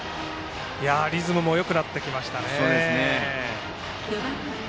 リズムもよくなってきました。